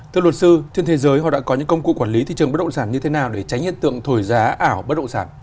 thưa luật sư trên thế giới họ đã có những công cụ quản lý thị trường bất động sản như thế nào để tránh hiện tượng thổi giá ảo bất động sản